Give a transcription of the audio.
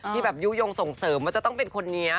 ที่แบบยุโยงส่งเสริมว่าจะต้องเป็นคนนี้